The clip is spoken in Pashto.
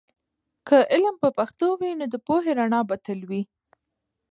که علم په پښتو وي، نو د پوهې رڼا به تل وي.